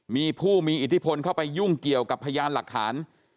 มีผู้มีอิทธิพลเข้าไปยุ่งเกี่ยวกับพยานหลักฐาน